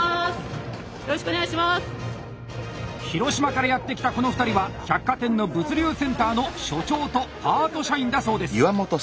広島からやって来たこの２人は百貨店の物流センターの所長とパート社員だそうです。